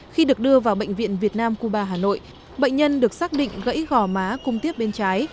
khi được đưa vào bệnh viện việt nam cuba hà nội bệnh nhân được xác định gãy gò má cung tiếp bên trái